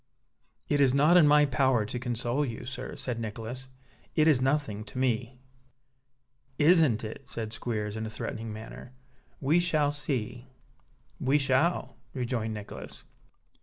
"It is not in my power to console you, sir," said Nicholas. "It is nothing to me." "Isn't it?" said Squeers, in a threatening manner. "We shall see!" "We shall," rejoined Nicholas.